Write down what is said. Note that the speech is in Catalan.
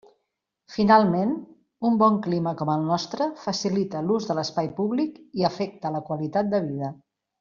Finalment, un bon clima com el nostre facilita l'ús de l'espai públic i afecta la qualitat de vida.